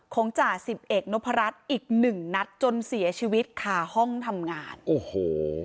จ่าสิบเอกนพรัชอีกหนึ่งนัดจนเสียชีวิตค่ะห้องทำงานโอ้โห